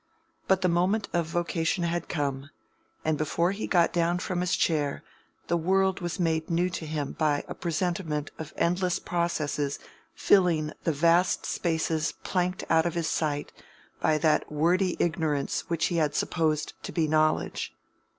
But the moment of vocation had come, and before he got down from his chair, the world was made new to him by a presentiment of endless processes filling the vast spaces planked out of his sight by that wordy ignorance which he had supposed to be knowledge.